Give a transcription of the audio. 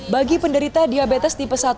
bagi penderita diabetes tipe satu